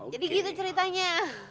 jadi gitu ceritanya